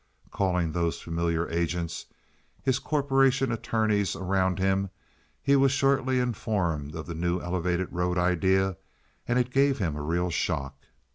Calling those familiar agents, his corporation attorneys, around him, he was shortly informed of the new elevated road idea, and it gave him a real shock.